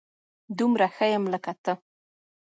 دومره ښه يم لکه ته